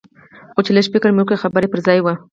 خو چې لږ فکر مې وکړ خبره يې پر ځاى وه.